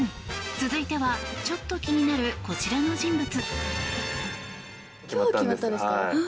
続いては、ちょっと気になるこちらの人物。